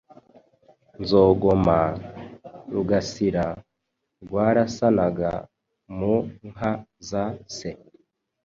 Nzogoma, Rugasira Rwarasanaga mu nka za se